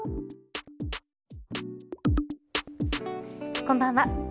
こんばんは。